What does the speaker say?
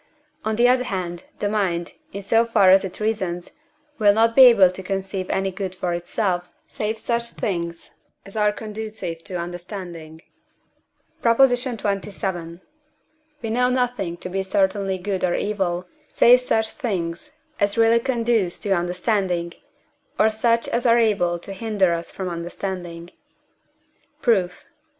on the other hand, the mind, in so far as it reasons, will not be able to conceive any good for itself, save such things as are conducive to understanding. PROP. XXVII. We know nothing to be certainly good or evil, save such things as really conduce to understanding, or such as are able to hinder us from understanding. Proof.